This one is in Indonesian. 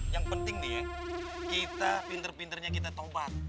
yang penting nih ya kita pinter pinternya kita tobat